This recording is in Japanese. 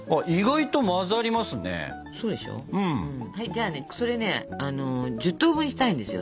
じゃあねそれね１０等分したいんですよ。